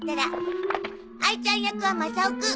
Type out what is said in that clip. あいちゃん役はマサオくん。